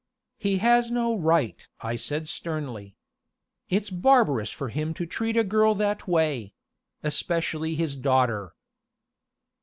"He has no right!" I said sternly. "It's barbarous for him to treat a girl that way especially his daughter."